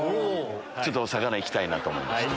ちょっとお魚行きたいなと思いまして。